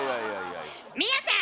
皆さん！